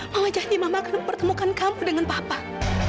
mama janji mama akan pertemukan kamu dengan bapak